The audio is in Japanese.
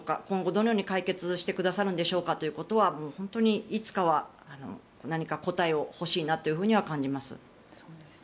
今後、どのように解決してくださるんでしょうかということは本当にいつかは何か答えを欲しいなとは感じます。